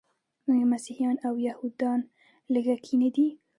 آیا مسیحیان او یهودان لږکي نه دي؟